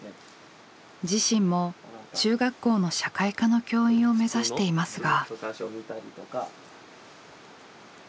自身も中学校の社会科の教員を目指していますが。